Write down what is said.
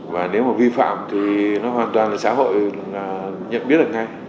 và nếu mà vi phạm thì nó hoàn toàn là xã hội là nhận biết được ngay